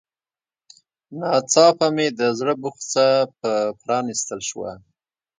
ناڅاپه مې د زړه بوخڅه په پرانيستل شوه.